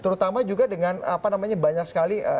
terutama juga dengan banyak sekali